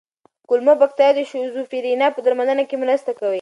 کولمو بکتریاوې د شیزوفرینیا په درملنه کې مرسته کولی شي.